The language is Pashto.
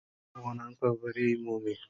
افغانان به بری ومومي.